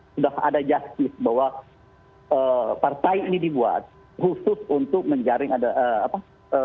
sudah ada justice bahwa partai ini dibuat khusus untuk menjaring ada apa